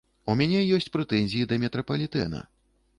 У мяне ёсць прэтэнзіі да метрапалітэна.